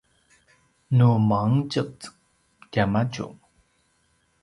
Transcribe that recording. nu mangetjez tiamadju